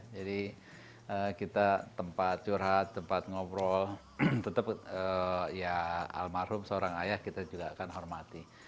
jadi kita tempat curhat tempat ngobrol tetap almarhum seorang ayah kita juga akan hormati